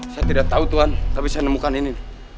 saya tidak tau tuan tapi saya nemukan ini